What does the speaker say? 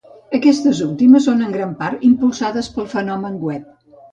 Aquestes últimes són en gran part impulsades pel fenomen web.